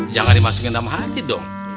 jangan dimasukin dalam hati dong